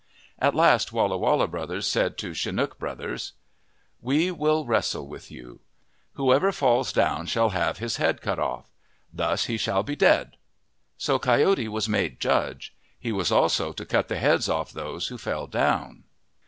At last Walla Walla brothers said to Chinook brothers :" We will wrestle with you. Whoever falls down shall have his head cut ofF. Thus he shall be dead." So Coyote was made judge. He was also to cut the heads off those who fell down.